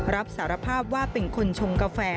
รับสารภาพว่าเป็นคนชงกาแฟ